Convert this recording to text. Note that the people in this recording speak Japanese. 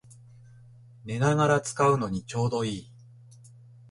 寝ながら使うのにちょうどいい